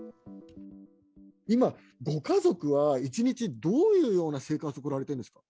今、ご家族は一日、どういうような生活を送られてるんですか？